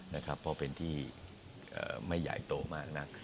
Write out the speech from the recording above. เพราะเป็นที่ไม่ใหญ่โตมากนัก